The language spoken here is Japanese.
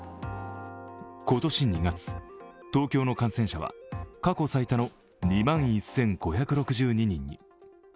今年２月、東京の感染者は過去最多の２万１５６２人に。